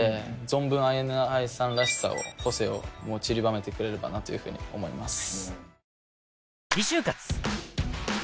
存分ＩＮＩさんらしさを個性をちりばめてくれればなというふうに思います。